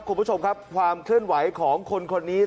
คุณผู้ชมครับความเคลื่อนไหวของคนคนนี้